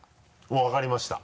もう分かりました。